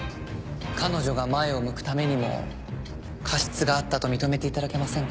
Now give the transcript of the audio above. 彼女が前を向くためにも過失があったと認めていただけませんか？